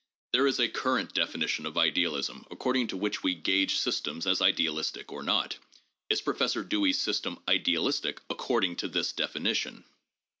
There is a current definition of idealism according to which we gauge systems as idealistic or not. Is Pro fessor Dewey's system idealistic according to this definition?